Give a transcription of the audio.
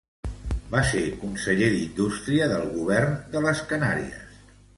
Va ser conseller d'Indústria del govern de les Canàries.